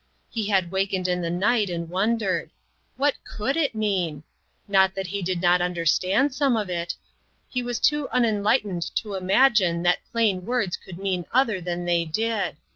He had wakened in the night and wondered. What could it mean ? Not that he did not under 2/4 INTERRUPTED. stand some of it ; he was too unenlightened to imagine that plain words could mean other than they said.